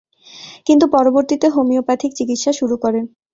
কিন্তু পরবর্তীতে হোমিওপ্যাথিক চিকিৎসা শুরু করেন।